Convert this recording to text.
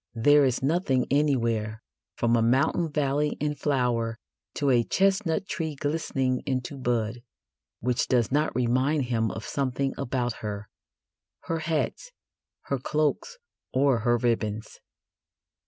There is nothing anywhere, from a mountain valley in flower to a chestnut tree glistening into bud, which does not remind him of something about her her hats, her cloaks, or her ribbons.